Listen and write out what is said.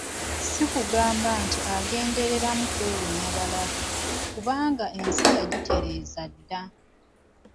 Si kugamba nti agendereramu kwewonya balabe, kubanga ensi yagitereeza dda.